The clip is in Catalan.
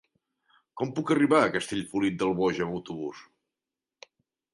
Com puc arribar a Castellfollit del Boix amb autobús?